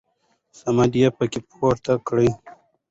صمد يې په کې پورته کړ.